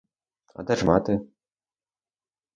А де ж мати?